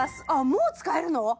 あっもう使えるの？